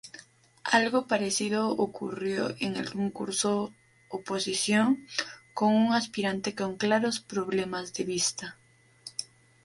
Algo parecido ocurrió en "Concurso oposición", con un aspirante con claros problemas de vista.